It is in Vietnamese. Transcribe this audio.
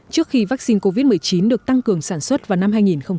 trước khi vaccine covid một mươi chín được tăng cường sản xuất vào năm hai nghìn hai mươi